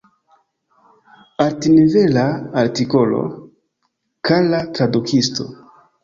Altnivela artikolo, kara tradukisto.